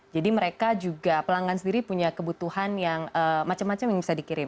jadi mereka juga pelanggan sendiri punya kebutuhan yang macam macam yang bisa dikirim